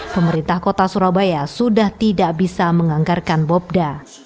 pemerintah kota surabaya sudah tidak bisa menganggarkan bobda